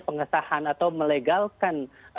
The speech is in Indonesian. pengesahan atau melegalkan